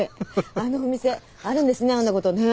あのお店あるんですねあんなことね。